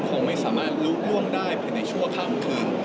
คงไม่สามารถลุกล่วงได้ภายในชั่วข้ามคืน